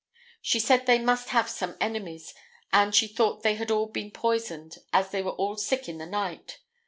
She said they must have some enemies, and she thought they had all been poisoned, as they were all sick in the night.